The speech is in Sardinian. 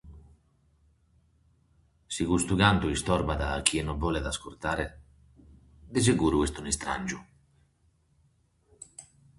Si custu cantu istorbat a chie non bolet ascurtare, de seguru est un’istràngiu.